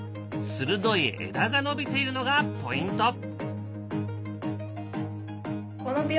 鋭い枝が伸びているのがポイント。